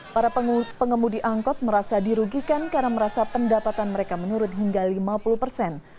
para pengemudi angkot merasa dirugikan karena merasa pendapatan mereka menurun hingga lima puluh persen